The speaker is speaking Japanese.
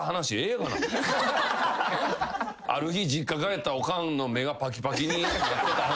ある日実家帰ったらおかんの目がぱきぱきになってた話。